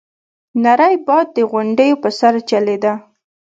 نری باد د غونډيو په سر چلېده.